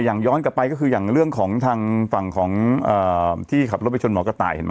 ย้อนกลับไปก็คืออย่างเรื่องของทางฝั่งของที่ขับรถไปชนหมอกระต่ายเห็นไหม